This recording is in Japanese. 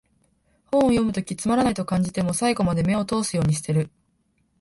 本を読むときつまらないと感じても、最後まで目を通すようにしてる